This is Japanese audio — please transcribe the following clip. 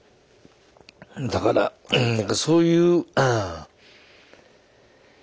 だからなんかそういう。